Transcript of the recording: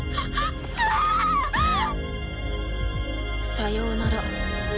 さようなら